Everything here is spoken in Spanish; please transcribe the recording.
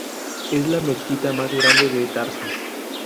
Es la mezquita más grande de Tarso.